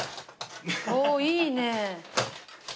おおいいね。